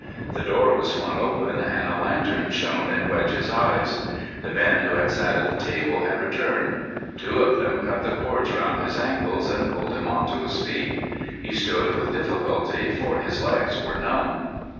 The door was flung open and a lantern shone in Wedge's eyes. The men who had sat at the table had returned. Two of them cut the cords round his ankles and pulled him on to his feet. He stood with difficulty, for his legs were numb.